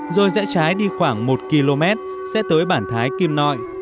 rồi dãy trái đi khoảng một km sẽ tới bản thái kim noi